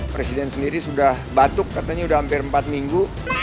presiden sendiri sudah batuk katanya sudah hampir empat minggu